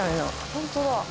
本当だ。